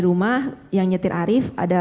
rumah yang nyetir arief ada